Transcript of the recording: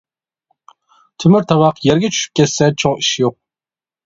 تۆمۈر تاۋاق يەرگە چۈشۈپ كەتسە چوڭ ئىش يوق.